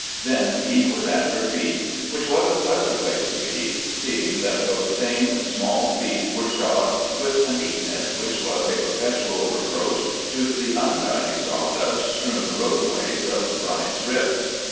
Then he was at her feet—which was a pleasant place to be, seeing that those same small feet were shod with a neatness which was a perpetual reproach to the untidy sawdust strewn roadways of Brine's Rip.